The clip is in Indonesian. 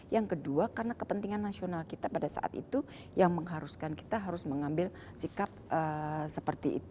yang kedua karena kepentingan nasional kita pada saat itu yang mengharuskan kita harus mengambil sikap seperti itu